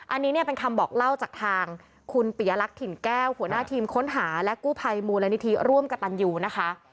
อันนี้เนี่ยเป็นคำบอกเล่าจากทางคุณปิยลักษณ์ถิ่นแก้วหัวหน้าทีมค้นหาและกู้ภัยมูลนิธิร่วมกับตันยูนะคะ